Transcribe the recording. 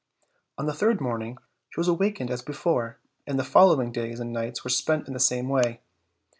On the third morning she was awakened as before, and that and the following days and nights were spent in the same way.